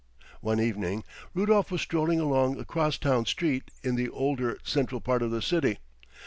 One evening Rudolf was strolling along a crosstown street in the older central part of the city.